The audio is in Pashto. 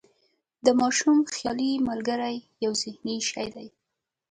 د ماشوم خیالي ملګری یو ذهني شی دی.